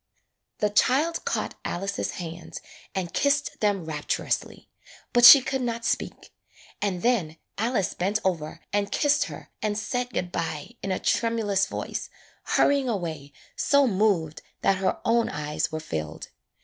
The child caught Alice's hands and kissed them rapturously, but she could not speak, and then Alice bent over and kissed her and said good by in a tremulous voice, hurrying away so moved that her own eyes were filled.